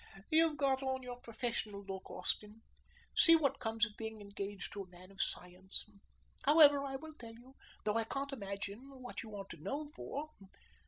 "You've got on your professional look, Austin. See what comes of being engaged to a man of science. However, I will tell you, though I can't imagine what you want to know for.